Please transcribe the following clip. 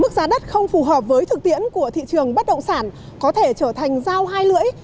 mức giá đất không phù hợp với thực tiễn của thị trường bất động sản có thể trở thành giao hai lưỡi